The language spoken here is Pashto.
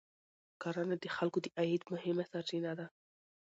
کرنه د خلکو د عاید مهمه سرچینه ده